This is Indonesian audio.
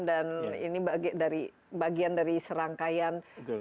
dan ini bagian dari serangkaian